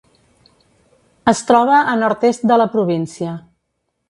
Es troba a nord-est de la província.